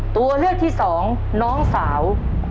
ตัวเลือกที่สองน้องสาว